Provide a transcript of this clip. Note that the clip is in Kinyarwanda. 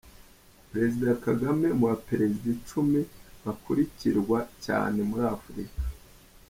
Perezida Kagame mu baperezida icumi bakurikirwa cyane muri Afurika